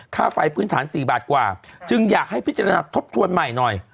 ค่าไฟพื้นฐาน๔บาทกว่าจึงอยากให้พิจารณาทบทวนใหม่หน่อย